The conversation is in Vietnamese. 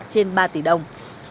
trên ba tỷ đồng